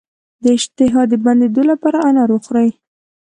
د اشتها د بندیدو لپاره انار وخورئ